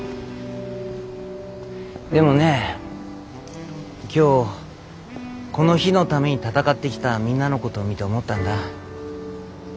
でもね今日この日のために闘ってきたみんなのことを見て思ったんだ。